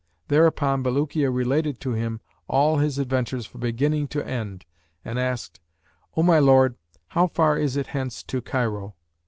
Thereupon Bulukiya related to him all his adventures from beginning to end and asked, 'O my lord, how far is it hence to Cairo?'